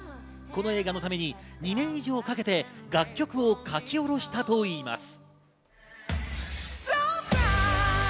この映画のために２年以上かけて楽曲を書き下ろしたといいます。